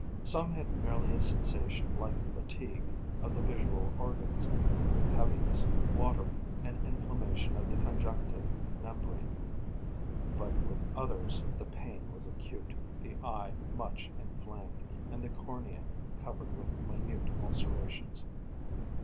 Some had merely a sensation like fatigue of the visual organs, with heaviness, watering, and inflammation of the conjunctive membrane. But with others the pain was acute, the eye much inflamed, and the cornea covered with minute ulcerations.